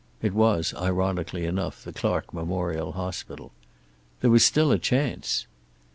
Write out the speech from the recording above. (It was, ironically enough, the Clark Memorial hospital.) There was still a chance.